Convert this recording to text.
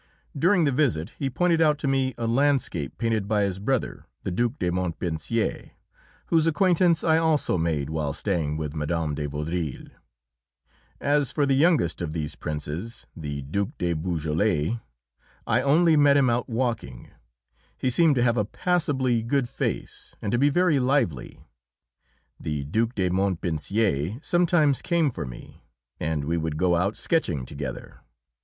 During the visit he pointed out to me a landscape painted by his brother, the Duke de Montpensier, whose acquaintance I also made while staying with Mme. de Vaudreuil. As for the youngest of these princes, the Duke de Beaujolais, I only met him out walking; he seemed to have a passably good face and to be very lively. The Duke de Montpensier sometimes came for me, and we would go out sketching together.